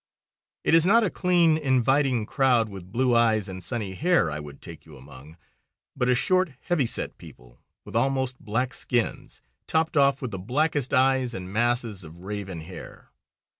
It is not a clean, inviting crowd, with blue eyes and sunny hair I would take you among, but a short, heavy set people, with almost black skins, topped off with the blackest eyes and masses of raven hair.